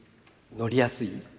乗りやすい？